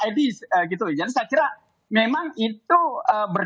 pada pilihan politik masyarakat sumatera utara